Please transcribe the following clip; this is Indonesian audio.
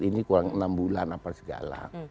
ini kurang enam bulan apa segala